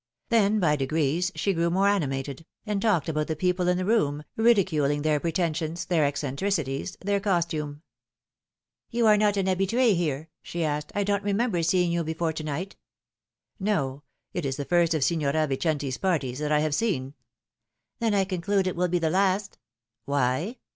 Then by degrees she grew more animated, and talked about the people in the room, ridiculing theii preten sions, their eccentricities, their costume. " You are not an habitue here ?" she asked. *' I don't remem ber seeing you before to night." " No; it is the first of Signora Vicenti's parties that I have seen "" Then I conclude it will be the last." Why